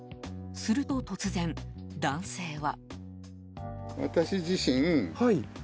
すると突然、男性は。